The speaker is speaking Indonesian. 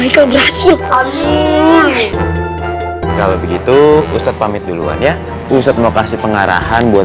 michael berhasil kalau begitu ustadz pamit duluan ya ustadz mau kasih pengarahan buat